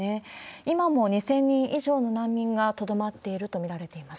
今も２０００人以上の難民がとどまっていると見られます。